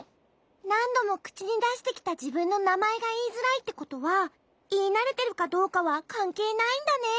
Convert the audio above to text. なんどもくちにだしてきたじぶんのなまえがいいづらいってことはいいなれてるかどうかはかんけいないんだねえ。